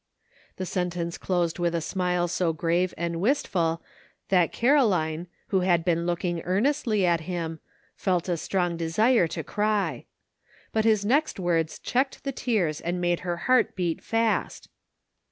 The sentence closed with a smile so grave and wistful that Caroline, who had been looking earnestly at him, felt a strong desire to cry. But his next words checked the tears and made her heart beat fast.